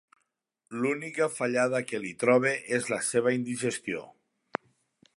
L'única fallada que li trobe és la seva indigestió.